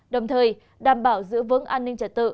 đồng thời đảm bảo giữ vững an ninh trật tự